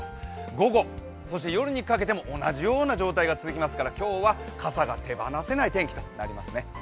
午後、そして夜にかけても同じような状態が続きますから今日は傘が手放せない天気となりますね。